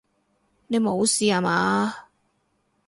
你無事吓嘛！